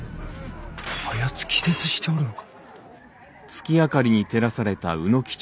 あやつ気絶しておるのか？